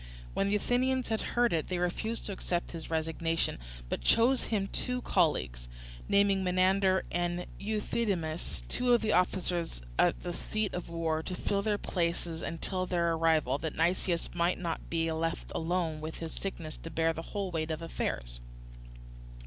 When the Athenians had heard it they refused to accept his resignation, but chose him two colleagues, naming Menander and Euthydemus, two of the officers at the seat of war, to fill their places until their arrival, that Nicias might not be left alone in his sickness to bear the whole weight of affairs.